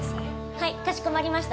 はいかしこまりました。